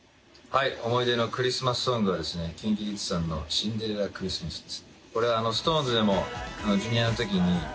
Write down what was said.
思い出のクリスマスソングは、ＫｉｎＫｉＫｉｄｓさんの「シンデレラ・クリスマス」です。